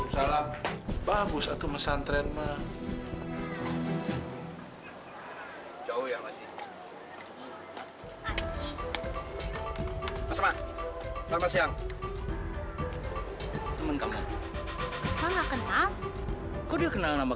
sampai jumpa di video selanjutnya